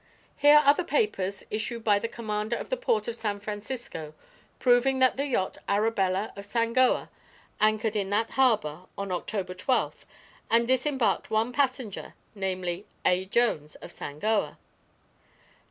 "Here are the papers issued by the Commander of the Port of San Francisco, proving that the yacht Arabella of Sangoa anchored in that harbor on October twelfth, and disembarked one passenger, namely: A. Jones of Sangoa."